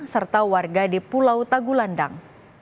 serta warga di pulau tagulandang